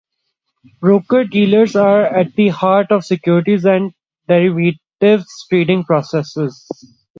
Broker-dealers are at the heart of the securities and derivatives trading process.